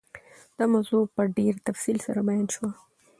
دا موضوع په ډېر تفصیل سره بیان شوه.